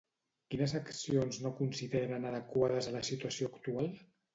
Quines accions no consideren adequades a la situació actual?